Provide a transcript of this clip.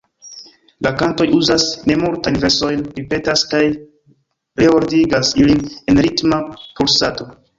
La kantoj uzas nemultajn versojn, ripetas kaj reordigas ilin en ritma pulsado.